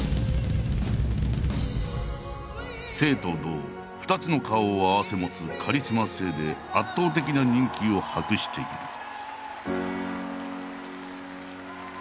静と動２つの顔を併せ持つカリスマ性で圧倒的な人気を博している。